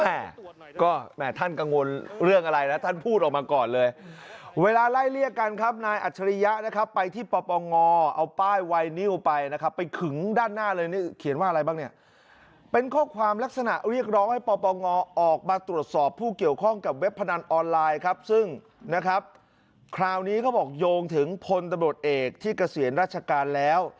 แม่ก็แม่ท่านกังวลเรื่องอะไรนะท่านพูดออกมาก่อนเลยเวลาไล่เรียกกันครับนายอัจฉริยะนะครับไปที่ปปงเอาป้ายไวนิวไปนะครับไปขึงด้านหน้าเลยนี่เขียนว่าอะไรบ้างเนี่ยเป็นข้อความลักษณะเรียกร้องให้ปปงออกมาตรวจสอบผู้เกี่ยวข้องกับเว็บพนันออนไลน์ครับซึ่งนะครับคราวนี้เขาบอกโยงถึงพลตำรวจเอกที่เกษียณราชการแล้ว